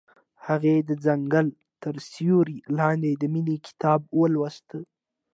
هغې د ځنګل تر سیوري لاندې د مینې کتاب ولوست.